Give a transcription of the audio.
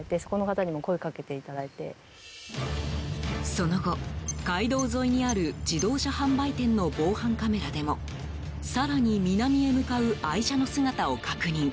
その後、街道沿いにある自動車販売店の防犯カメラでも更に南へ向かう愛車の姿を確認。